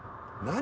何？